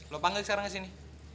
lu panggil sekarang kesini